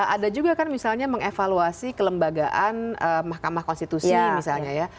ada juga kan misalnya mengevaluasi kelembagaan mahkamah konstitusi misalnya ya